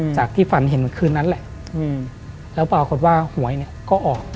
จากที่ฝั่งเห็นเกินคืนนั้นแล้วบอกก่อนว่าหวยก็ออก